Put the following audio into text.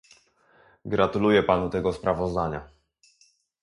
Gratuluję Panu tego sprawozdania